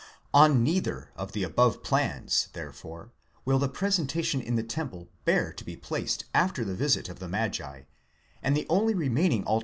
On neither of the above plans, therefore, will the presentation in the temple 'bear to be placed after the visit of the magi, and the only remaining alterna 1 Thus, 6.